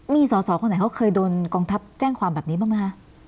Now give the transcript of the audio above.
มีสอสอคนไหนเขาเคยโดนกองทัพแจ้งความแบบนี้บ้างไหมคะ